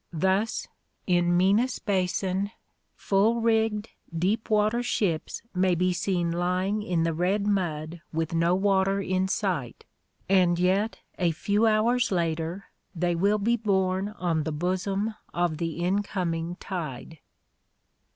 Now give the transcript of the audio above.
Thus in Minas Basin, full rigged deep water ships may be seen lying in the red mud with no water in sight, and yet a few hours later they will be borne on the bosom of the incoming tide.